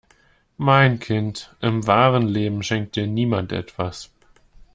Mein Kind, im wahren Leben schenkt dir niemand etwas.